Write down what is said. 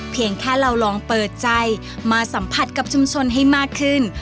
เพียงแค่เราลองเปิดใจมาสัมผัสกับชุมชนให้มากขึ้น